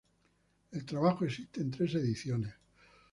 El trabajo existe en tres ediciones.